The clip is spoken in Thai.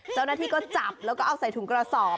เจ้าหน้าที่ก็จับแล้วก็เอาใส่ถุงกระสอบ